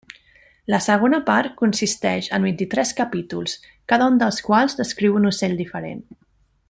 La segona part consisteix en vint-i-tres capítols, cada un dels quals descriu un ocell diferent.